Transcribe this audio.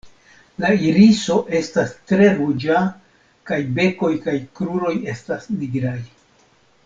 La iriso estas tre ruĝa kaj bekoj kaj kruroj estas nigraj.